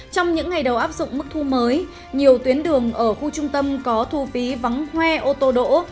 trong những ngày đầu áp dụng mức thu mới nhiều tuyến đường ở khu trung tâm có thu phí vắng hoe ô tô đỗ